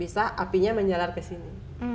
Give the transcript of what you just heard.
bisa apinya menyalar ke sini